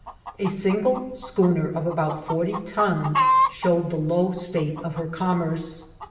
A single schooner of about forty tons showed the low state of her commerce.